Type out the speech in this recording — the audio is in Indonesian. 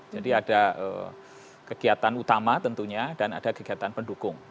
jadi ada kegiatan utama tentunya dan ada kegiatan pendukung